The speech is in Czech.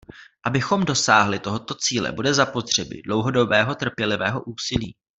Abychom dosáhli tohoto cíle, bude zapotřebí dlouhodobého trpělivého úsilí.